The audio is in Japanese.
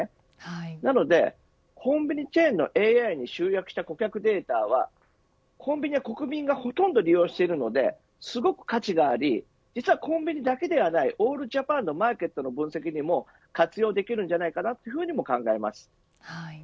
なのでコンビニチェーンのＡＩに集約した顧客データは国民のほとんど利用しているのですごく価値がありコンビニだけではないオールジャパンのマーケットの分析にも活用できるんじゃないかと考えます。